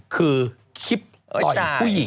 คือคลิปต่อยผู้หญิง